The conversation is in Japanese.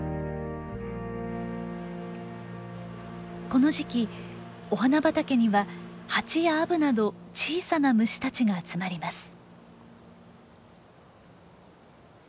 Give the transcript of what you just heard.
この時期お花畑にはハチやアブなど小さな虫たちが集まります。